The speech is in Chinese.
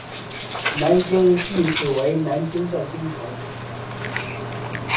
南京意思为南方的京城。